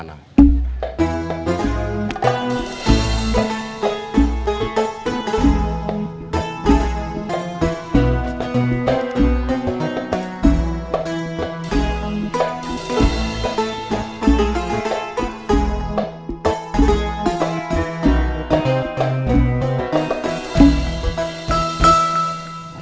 suara suara sedang bergantung